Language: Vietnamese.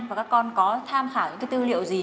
và các con có tham khảo những cái tư liệu gì